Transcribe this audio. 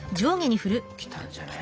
きたんじゃない？